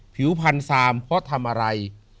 ผิวพันซามเพราะทำอะไร